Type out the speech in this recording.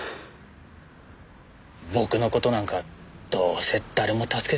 僕の事なんかどうせ誰も助けてくれませんよ。